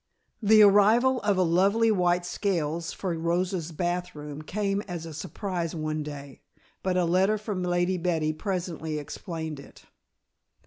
The arrival of a lovely white scales for Rosa's bath room came as a surprise one day, but a letter from Lady Betty presently explained it.